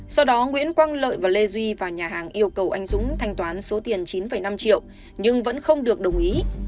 sau đó nguyễn quang lợi và lê duy và nhà hàng yêu cầu anh dũng thanh toán số tiền chín năm triệu nhưng vẫn không được đồng ý